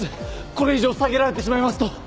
これ以上下げられてしまいますと